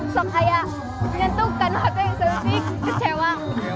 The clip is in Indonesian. so kayak nyentuh karena aku yang seru sih kecewa